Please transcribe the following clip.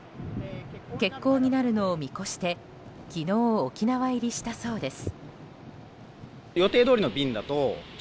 欠航になるのを見越して昨日、沖縄入りしたそうです。